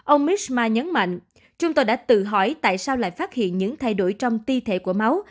ông misma nhấn mạnh chúng tôi đã tự hỏi tại sao lại phát hiện những thay đổi trong ti thể của máu